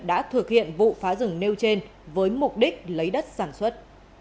đã thực hiện vụ phá rừng nêu trên với mục đích lấy đất sản xuất